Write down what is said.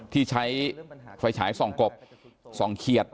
ที่ใช้ไฟฉายส่องกบส่องเขียด